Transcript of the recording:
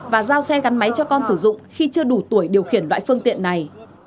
và giao xe gắn máy cho con sử dụng khi chưa đủ tuổi điều khiển loại phương tiện này